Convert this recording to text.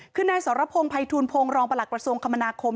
คือนายสรพงศ์ภัยทูลพงศ์รองประหลักกระทรวงคมนาคม